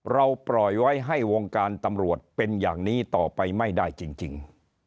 เราปล่อยไว้ให้วงการตำรวจเป็นอย่างนี้ต่อไปไม่ได้จริง